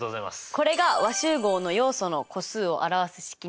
これが和集合の要素の個数を表す式になります。